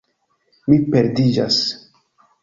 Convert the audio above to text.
Mi perdiĝas.